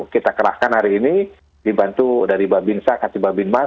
kita kerahkan hari ini dibantu dari mbak bin shah kati mbak bin mas